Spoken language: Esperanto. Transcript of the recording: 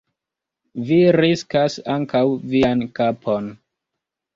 Vi riskas ankaŭ vian kapon.